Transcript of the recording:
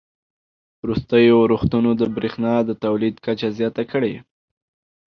وروستیو اورښتونو د بریښنا د تولید کچه زیاته کړې